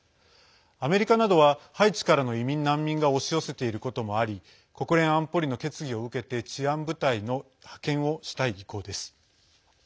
アメリカなどはハイチからの移民、難民が押し寄せていることもあり国連安保理の決議を受けて治安部隊の派遣をしたい意向です。